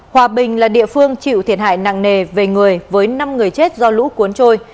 hòa bình là địa phương chịu thiệt hại nặng nề về người với năm người chết do lũ cuốn trôi